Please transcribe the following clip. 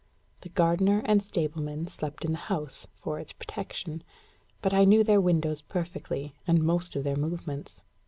The gardener and stableman slept in the house, for its protection; but I knew their windows perfectly, and most of their movements.